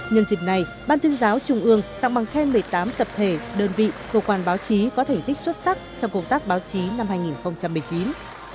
nhân dịp này ban tuyên giáo trung ương tặng bằng khen một mươi tám tập thể đơn vị cơ quan báo chí có thành tích xuất sắc trong công tác báo chí năm hai nghìn một mươi chín